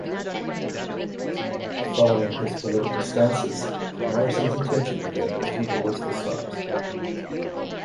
Following his political stances, Morrison's attention began drifting towards the stars.